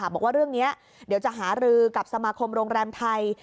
บอกว่าเรื่องนี้เดี๋ยวจะหารือกับสมาคมโรงแรมไทย